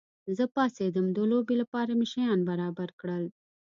زه پاڅېدم، د لوبې لپاره مې شیان برابر کړل.